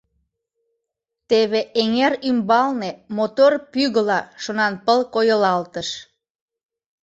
Теве эҥер ӱмбалне мотор пӱгыла шонанпыл койылалтыш.